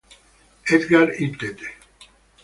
Edgar Itt